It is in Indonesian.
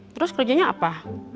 terus kerjanya apa